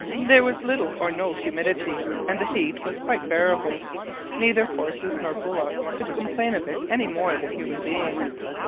There was little or no humidity, and the heat was quite bearable. Neither horses nor bullocks could complain of it any more than human beings.